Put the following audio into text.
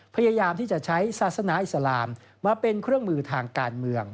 พยายามที่จะใช้ศาสนาอิสลามมาเป็นเครื่องมือทางการเมือง